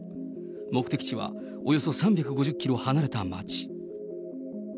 目的地はおよそ３５０キロ離れた町。